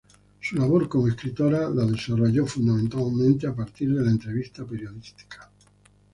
Su labor como escritora la desarrolló fundamentalmente a partir de la entrevista periodística.